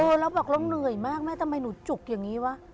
แล้วบอกเราเหนื่อยมากแม่ทำไมหนูจุกอย่างนี้วะ